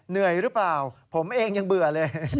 เหนื่อยหรือเปล่าผมเองยังเบื่อเลย